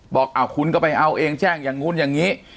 บอกคุณก็ไปเอาเองแจ้งอย่างนู้นอย่างนี้